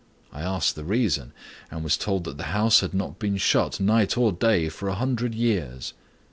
I asked the reason, and was told that the house had not been shut, night or day, for a hundred years.